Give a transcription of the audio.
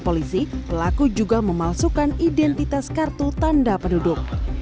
polisi pelaku juga memalsukan identitas kartu tanda penduduk